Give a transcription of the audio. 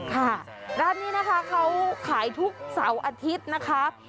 ค่ะร้านนี้นะคะเขาขายทุกเสาร์อาทิตย์นะคะ